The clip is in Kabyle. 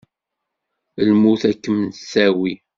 Lmut ad kem-tawi!